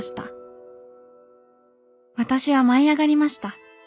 私は舞いあがりました。